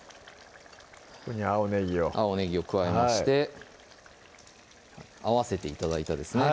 ここに青ねぎを青ねぎを加えまして合わせて頂いたですね